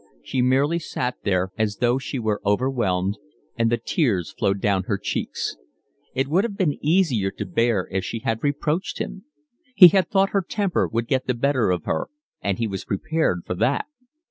She merely sat there, as though she were overwhelmed, and the tears flowed down her cheeks. It would have been easier to bear if she had reproached him. He had thought her temper would get the better of her, and he was prepared for that.